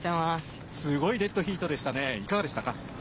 すごいデッドヒートでしたがいかがでしたか？